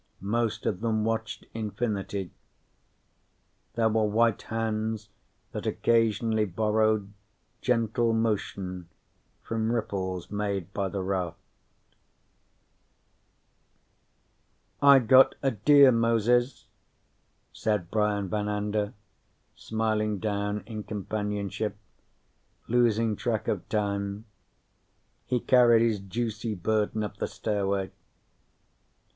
Most of them watched infinity. There were white hands that occasionally borrowed gentle motion from ripples made by the raft. "I got a deer, Moses," said Brian Van Anda, smiling down in companionship, losing track of time. He carried his juicy burden up the stairway.